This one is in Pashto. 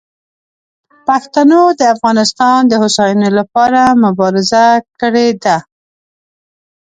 پښتنو د افغانستان د هوساینې لپاره مبارزه کړې ده.